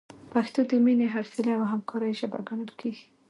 پښتو د مینې، حوصلې، او همکارۍ ژبه ګڼل کېږي.